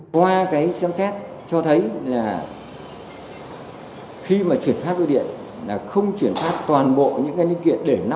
qua cái xem xét cho thấy là khi mà chuyển pháp vũ điện là không chuyển pháp toàn bộ những cái linh kiện để mua